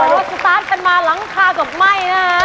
โบ๊ะสุดท้ายกลับมารั้งคากับไหม้น่ะ